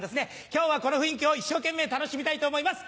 今日はこの雰囲気を一生懸命楽しみたいと思います。